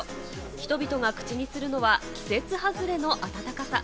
人々が口にするのは、季節外れの暖かさ。